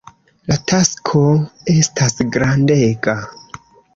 La tasko estas grandega.